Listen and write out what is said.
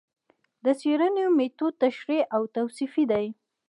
د څېړنې مېتود تشریحي او توصیفي دی